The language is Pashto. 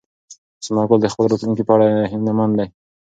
ثمر ګل د خپل راتلونکي په اړه هیله من دی.